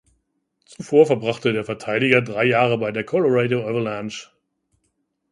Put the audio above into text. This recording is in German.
Zuvor verbrachte der Verteidiger drei Jahre bei der Colorado Avalanche.